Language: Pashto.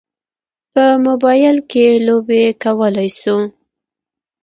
په موبایل کې لوبې کولی شو.